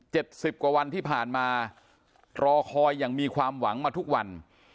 สิบกว่าวันที่ผ่านมารอคอยอย่างมีความหวังมาทุกวัน